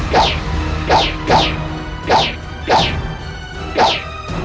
rayus rayus sensa pergi